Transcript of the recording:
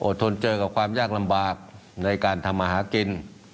ทนเจอกับความยากลำบากในการทำมาหากิน